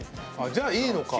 じゃあいいのか。